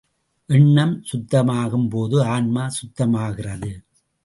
எண்ணம் சுத்தமாகும் போது, ஆன்மா சுத்தமாகிறது.